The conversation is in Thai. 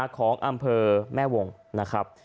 ของอำเภอแม่วงนะครับ